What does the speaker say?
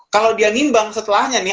kalau dia ngimbang setelahnya nih